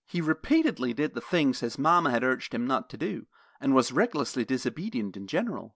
He repeatedly did the very things his mama had urged him not to do, and was recklessly disobedient in general.